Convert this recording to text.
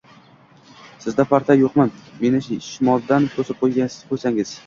Sizda parda yo‘qmi, meni shamoldan to‘sib qo‘ysangiz?